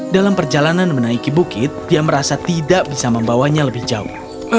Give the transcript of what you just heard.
dalam perjalanan menaiki bukit dia merasa tidak bisa membawanya lebih jauh